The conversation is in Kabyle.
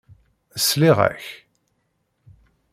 Sliɣ-ak.